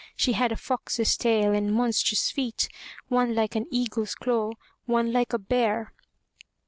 She had a fox's tail and monstrous feet, one like an eagle's claw, one like a bear.